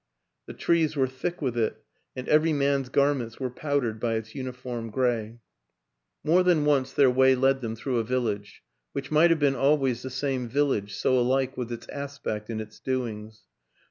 The trees were thick with it, and every man's gar ments were powdered by its uniform gray. WILLIAM AN ENGLISHMAN 165 More than once their way led them through a village which might have been always the same village, so alike was its aspect and its doings.